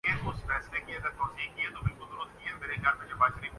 یہاں بھی معاملہ وزیرستان والا ہے۔